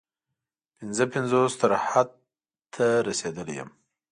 پنځه پنځوس تر حد ته رسېدلی یم.